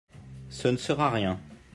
Ce ne sera rien !